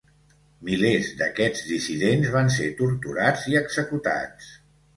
Milers d'aquests dissidents van ser torturats i executats.